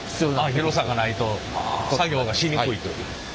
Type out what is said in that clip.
広さがないと作業がしにくいという。